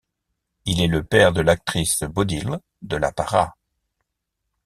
Il est le père de l'actrice Bodil de la Parra.